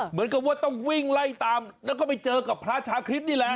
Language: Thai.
เหมือนกับว่าต้องวิ่งไล่ตามแล้วก็ไปเจอกับพระชาคริสต์นี่แหละ